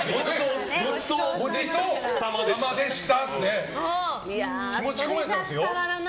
ごちそうさまでした。